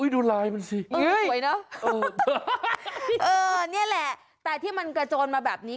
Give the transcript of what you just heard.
ดูลายมันสิสวยเนอะเออนี่แหละแต่ที่มันกระโจนมาแบบนี้